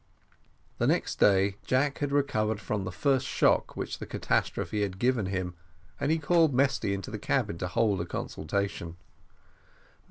The next day Jack had recovered from the first shock which the catastrophe had given him, and he called Mesty into the cabin to hold a consultation.